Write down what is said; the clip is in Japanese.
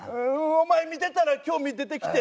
お前見てたら興味出てきて。